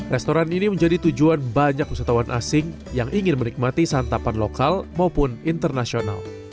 restoran ini menjadi tujuan banyak wisatawan asing yang ingin menikmati santapan lokal maupun internasional